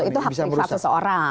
itu hak krivasi seorang